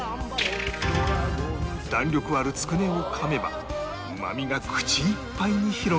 弾力あるつくねを噛めばうまみが口いっぱいに広がります